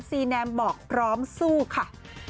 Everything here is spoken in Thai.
ซีแนมบอกพร้อมสู้ค่ะ